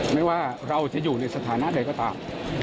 ไม่ว่าเราจะอยู่ในสถานะใดก็ตาม